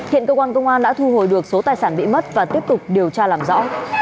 hiện cơ quan công an đã thu hồi được số tài sản bị mất và tiếp tục điều tra làm rõ